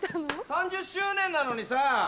３０周年なのにさ